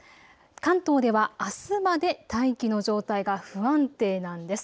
関東であすまで大気の状態が不安定なんです。